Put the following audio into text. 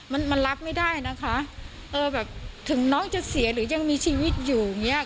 มันมันรับไม่ได้นะคะเออแบบถึงน้องจะเสียหรือยังมีชีวิตอยู่อย่างเงี้ย